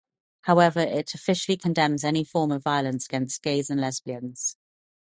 However, it officially condemns any form of violence against gays and lesbians.